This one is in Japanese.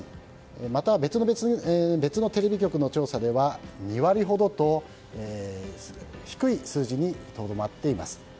また、別のテレビ局の調査では２割ほどと低い数字にとどまっています。